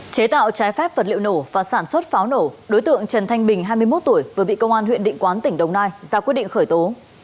chế tạo trái phép vật liệu nổ và sản xuất pháo nổ đối tượng trần thanh bình hai mươi một tuổi vừa bị công an huyện định quán tỉnh đồng nai ra quyết định khởi tố